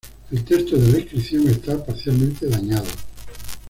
El texto de la inscripción está parcialmente dañado.